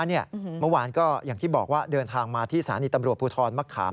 เมื่อวานก็อย่างที่บอกว่าเดินทางมาที่สถานีตำรวจภูทรมะขาม